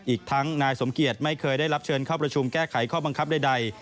อีกทั้งนายสมเกียจไม่เคยได้รับเชิญเข้าประชุมแก้ไขข้อบังคับใด